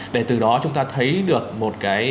để từ đó chúng ta thấy được một cái